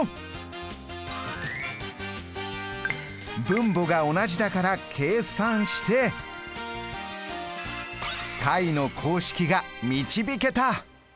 分母が同じだから計算して解の公式が導けた。